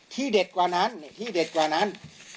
เด็ดกว่านั้นที่เด็ดกว่านั้น